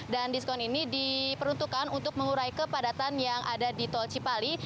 dan diskon ini diperuntukkan untuk mengurai kepadatan yang ada di tol cipali